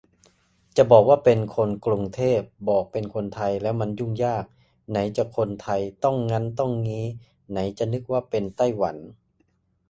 จะบอกว่าเป็น "คนกรุงเทพ" บอกเป็นคนไทยแล้วมันยุ่งยาก ไหนจะคนไทยต้องงั้นต้องงี้ ไหนจะนึกว่าเป็นไต้หวัน